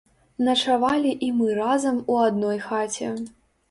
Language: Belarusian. Начавалі і мы разам у адной хаце.